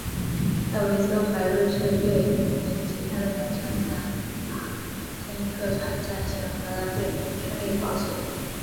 戴维斯杯瑞士队凭藉他的两场单打胜利客场战胜荷兰队顺利保组。